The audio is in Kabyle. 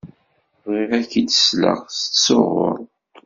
Bɣiɣ ad k-id-sleɣ tettsuɣuḍ.